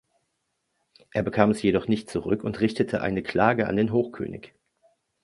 Er bekam es jedoch nicht zurück und richtete eine Klage an den Hochkönig.